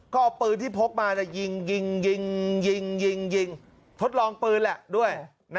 ก็เอาปืนที่พกมายิงยิงยิงทดลองปืนแหละด้วย